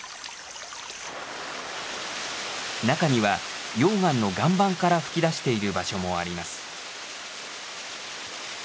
中には溶岩の岩盤から噴き出している場所もあります。